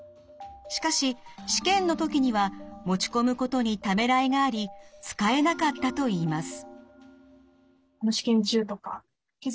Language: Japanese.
しかし試験の時には持ち込むことにためらいがあり使えなかったといいます。